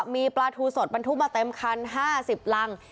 มีปลาทูสดบรรทุกมาเต็มคัน๕๐รัง